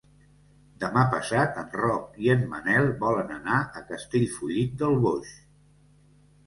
Demà passat en Roc i en Manel volen anar a Castellfollit del Boix.